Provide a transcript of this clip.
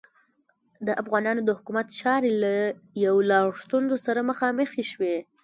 د افغانانو د حکومت چارې له یو لړ ستونزو سره مخامخې شوې.